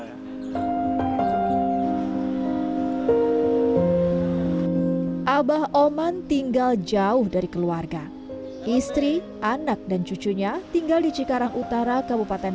abah oman tinggal jauh dari keluarga istri anak dan cucunya tinggal di cikarang utara kabupaten